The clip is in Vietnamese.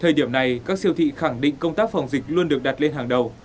thời điểm này các siêu thị khẳng định công tác phòng dịch luôn được đặt lên hàng đầu